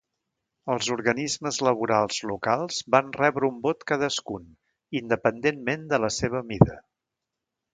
Els organismes laborals locals van rebre un vot cadascun, independentment de la seva mida.